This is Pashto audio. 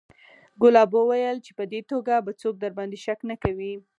ګلاب وويل چې په دې توګه به څوک درباندې شک نه کوي.